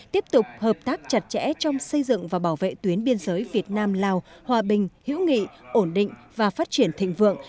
tiếp tục hợp tác chặt chẽ trong xây dựng và bảo vệ tuyến biên giới việt nam lào hòa bình hữu nghị ổn định và phát triển thịnh vượng